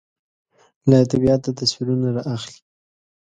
له طبیعته تصویرونه رااخلي